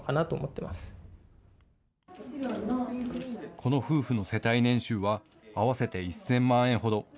この夫婦の世帯年収は合わせて１０００万円ほど。